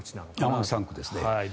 山口３区ですね。